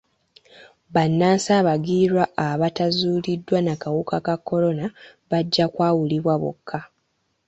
Bannansi abagwira abataazuuliddwa na kawuka ka kolona bajja kwawulibwa bokka